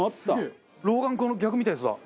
老眼鏡の逆みたいなやつだ！